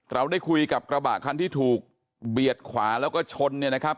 เราได้คุยกับกระบะคันที่ถูกเบียดขวาแล้วก็ชนเนี่ยนะครับ